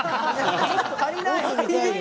足りない。